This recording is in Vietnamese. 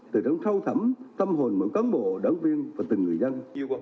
từ trong sâu thẳm tâm hồn một cán bộ đảng viên và từng người dân